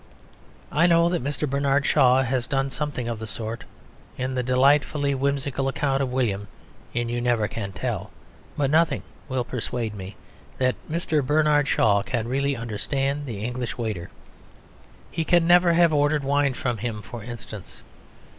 I know that Mr. Bernard Shaw has done something of the sort in the delightfully whimsical account of William in You Never Can Tell. But nothing will persuade me that Mr. Bernard Shaw can really understand the English waiter. He can never have ordered wine from him for instance.